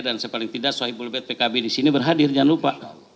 dan sepaling tidak sohibulbet pkb di sini berhadir jangan lupa